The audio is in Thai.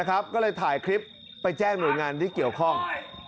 ก็เลยถ่ายคลิปไปแจ้งหน่วยงานที่เกี่ยวข้อง